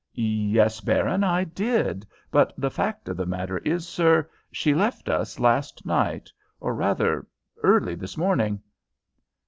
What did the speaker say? "Yes, Baron, I did; but the fact of the matter is, sir, she left us last night, or, rather, early this morning."